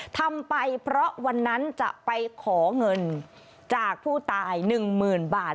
ทำไปเพราะวันนั้นจะไปของเงินจากผู้ตายหนึ่งหมื่นบาท